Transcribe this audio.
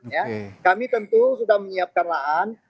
ya kami tentu sudah menyiapkan lahan